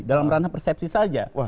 dalam ranah persepsi saja